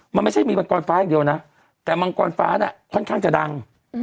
มันไม่ใช่มีมังกรฟ้าอย่างเดียวนะแต่มังกรฟ้าน่ะค่อนข้างจะดัง